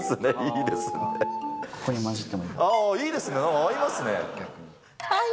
いいですね、はい。